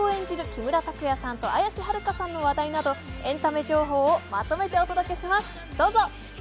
木村拓哉さんと綾瀬はるかさんの話題などエンタメ情報をまとめてお届けします。